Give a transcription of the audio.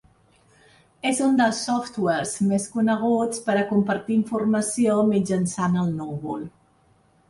És un dels softwares més coneguts per a compartir informació mitjançant el núvol.